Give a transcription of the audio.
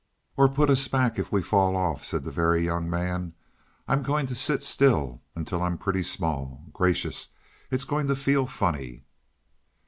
"Or put us back if we fall off," said the Very Young Man. "I'm going to sit still until I'm pretty small. Gracious, it's going to feel funny."